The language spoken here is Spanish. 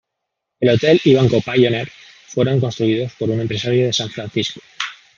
El Hotel y Banco Pioneer fueron construidos por un empresario de San Francisco.